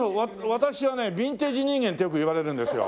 私はね「ビンテージ人間」ってよく言われるんですよ。